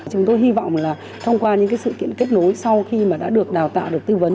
chúng tôi hy vọng là thông qua những sự kiện kết nối sau khi đã được đào tạo được tư vấn